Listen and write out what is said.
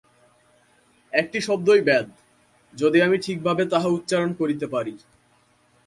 একটি শব্দই বেদ, যদি আমি ঠিকভাবে তাহা উচ্চারণ করিতে পারি।